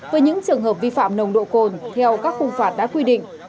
với những trường hợp vi phạm nông độ cồn theo các khung phản đã quy định